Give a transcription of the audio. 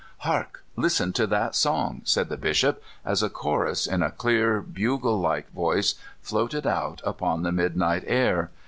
"Hark! listen to that song," said the Bishop, as a chorus, in a clear, bugle like voice, floated out upon the midnight air.